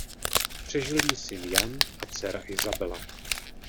Přežil ji syn Jan a dcera Isabela.